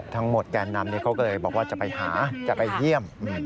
แกนนำเขาก็เลยบอกว่าจะไปหาจะไปเยี่ยม